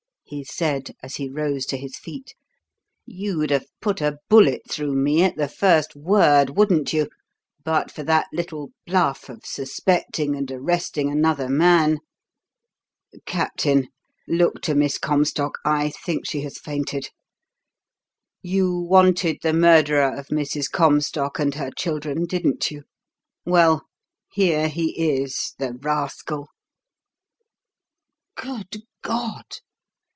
he said, as he rose to his feet. "You'd have put a bullet through me at the first word, wouldn't you, but for that little 'bluff' of suspecting and arresting another man? Captain, look to Miss Comstock I think she has fainted. You wanted the murderer of Mrs. Comstock and her children, didn't you? Well, here he is, the rascal!" "Good God!